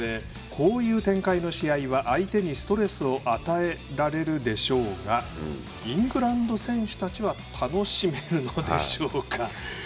こういう展開の試合は相手にストレスを与えられるでしょうがイングランド選手たちは楽しめるのでしょうか？